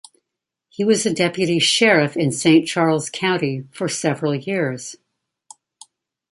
He was a deputy sheriff in Saint Charles County for several years.